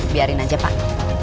biarin aja pak